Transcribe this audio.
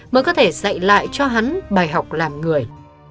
mới có thể dạy lại cho hắn bài học làm người